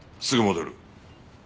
すぐ戻る。